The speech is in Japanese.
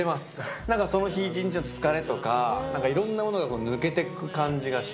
なんかその日一日の疲れとか、いろんなものが抜けてく感じがして。